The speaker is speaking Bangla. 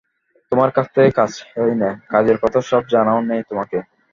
তোমার কাছ থেকে কাজ চাই নে, কাজের কথা সব জানাইও নে তোমাকে।